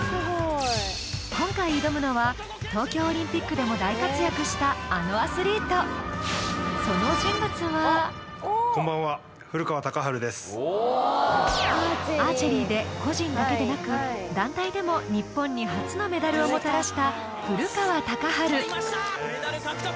今回挑むのは東京オリンピックでも大活躍したあのアスリートアーチェリーで個人だけでなく団体でも日本に初のメダルをもたらしたやりました！